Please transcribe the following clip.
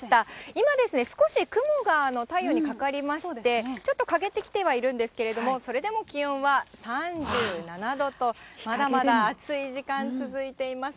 今ですね、少し雲が太陽にかかりまして、ちょっとかげってきてはいるんですけれども、それでも気温は３７度と、まだまだ暑い時間、続いています。